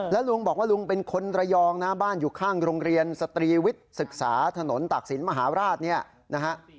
แล้วลุงบอกว่าลุงเป็นคนระยองนะบ้านอยู่ข้างโรงเรียนสตรีวิทย์ศึกษาถนนตากศิลปมหาราชเนี่ยนะฮะ